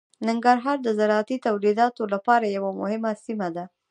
ننګرهار د زراعتي تولیداتو لپاره یوه مهمه سیمه ده.